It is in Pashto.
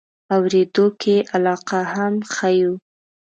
اورېدو کې یې علاقه هم ښیو.